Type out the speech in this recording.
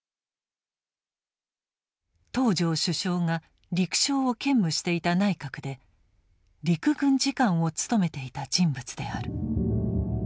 東條首相が陸相を兼務していた内閣で陸軍次官を務めていた人物である。